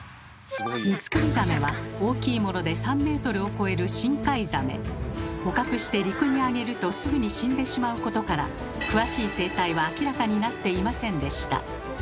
ミツクリザメは大きいもので捕獲して陸にあげるとすぐに死んでしまうことから詳しい生態は明らかになっていませんでした。